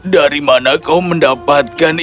dari mana kau mendapatkan